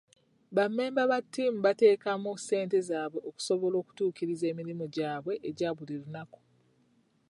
Ba mmemba ba ttiimu bateekamu ssente zaabwe okusobola okutuukiriza emirimu gyabwe egya buli lunaku.